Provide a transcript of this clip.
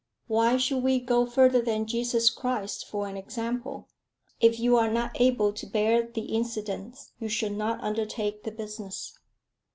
Why should we go further than Jesus Christ for an example? If you are not able to bear the incidents, you should not undertake the business."